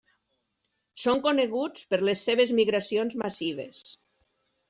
Són coneguts per les seves migracions massives.